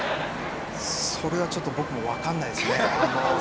それはちょっと僕も分からないです。